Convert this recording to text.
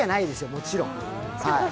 もちろん。